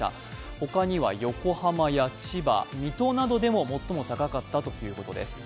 ほかには横浜や千葉、水戸などでも最も高かったということです。